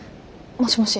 もしもし。